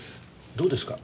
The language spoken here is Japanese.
どうですか？